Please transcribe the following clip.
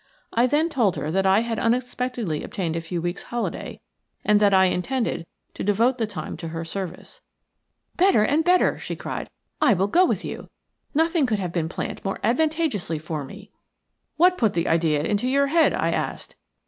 I then told her that I had unexpectedly obtained a few weeks' holiday and that I intended to devote the time to her service. "Better and better," she cried. "I go with you. Nothing could have been planned more advantageously for me." "What put the idea into your head?" I asked.